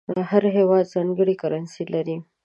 هر هېواد ځانګړې کرنسي لري.